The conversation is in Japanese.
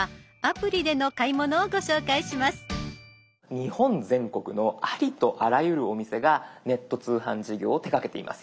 日本全国のありとあらゆるお店がネット通販事業を手がけています。